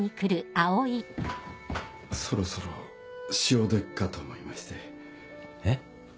・そろそろ潮時かと思いまして・えっ？